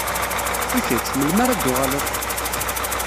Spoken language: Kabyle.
I kečč, melmi ara d-tuɣaleḍ?